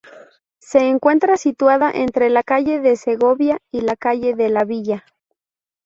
Se encuentra situada entre la calle de Segovia y la calle de la Villa.